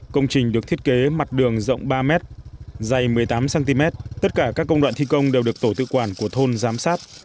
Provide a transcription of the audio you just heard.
công trình được thiết kế mặt đường rộng ba m dày một mươi tám cm tất cả các công đoạn thi công đều được tổ tự quản của thôn giám sát